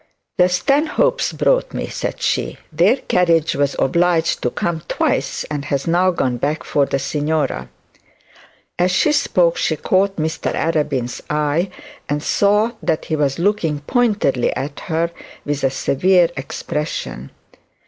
'The Stanhopes brought me,' said she; 'their carriage was obliged to come twice, and has now gone back for the signora.' As she spoke she caught Mr Arabin's eye, and saw that he was looking pointedly at her with a severe expression.